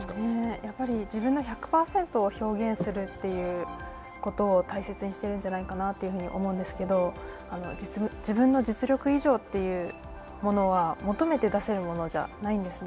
やっぱり自分の１００％を表現するということを大切にしているんじゃないかなというふうに思うんですけど、自分の実力以上というものは求めて出せるものじゃないんですね。